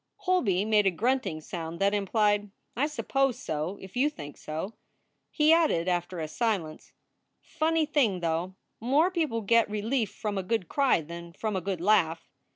Holby made a grunting sound that implied, "I suppose so, if you think so." He added, after a silence: Funny thing, though; more people get relief from a good cry than from a good laugh.